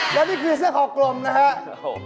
และนี่คือเสื้อคอกลมนะครับผม